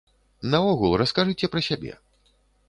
Наогул, раскажыце пра сябе.